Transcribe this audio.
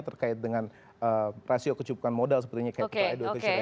terkait dengan rasio kecubukan modal sepertinya kayak itu